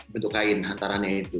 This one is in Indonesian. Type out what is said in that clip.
bentuk kain hantaran itu